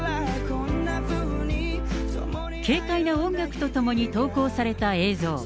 軽快な音楽とともに投稿された映像。